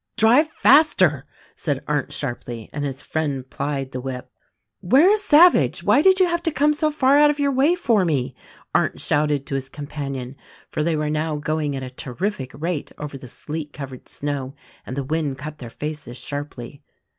"Drive faster!" said Arndt sharply, and his friend plied the whip. "Where is Savage? Why did you have to come so far out of your way for me?" Arndt shouted to his companion — for they were now going at a terrific rate over the sleet covered snow and the wind cut their faces sharply.